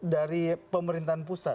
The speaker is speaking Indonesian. dari pemerintahan pusat